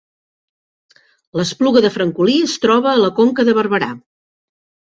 L’Espluga de Francolí es troba a la Conca de Barberà